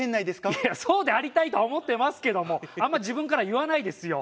いやそうでありたいとは思ってますけどもあんま自分から言わないですよ。